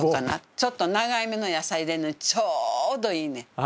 ちょっと長いめの野菜入れんのにちょうどいいねん。